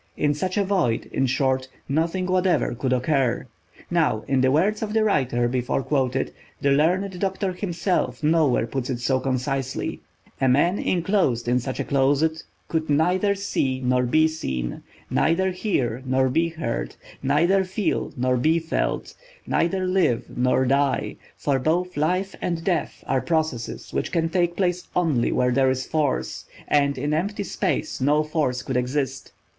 In such a void, in short, nothing whatever could occur. Now, in the words of the writer before quoted—the learned doctor himself nowhere puts it so concisely: "A man inclosed in such a closet could neither see nor be seen; neither hear nor be heard; neither feel nor be felt; neither live nor die, for both life and death are processes which can take place only where there is force, and in empty space no force could exist."